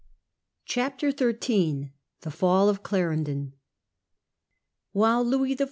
CHAPTER XIII. THE FALL OF CLARENDON. While Louis XIV.